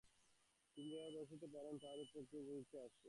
যিনি যেভাবে সহজে বসিতে পারেন, তাঁহার পক্ষে উহাই উপযুক্ত আসন।